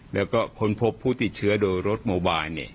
แล้วก็ค้นพบผู้ติดเชื้อโดยรถเมื่อวาน